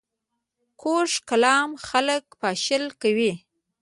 کوږ کلام خلک پاشل کوي